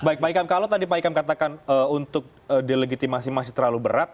baik pak ikam kalau tadi pak ikam katakan untuk delegitimasi masih terlalu berat